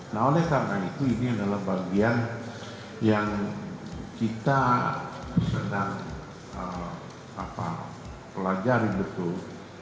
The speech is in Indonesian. nah oleh karena itu ini adalah bagian yang kita sedang pelajari betul